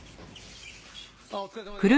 あっお疲れさまです。